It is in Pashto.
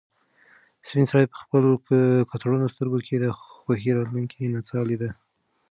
سپین سرې په خپل کڅوړنو سترګو کې د خوښۍ راتلونکې نڅا لیده.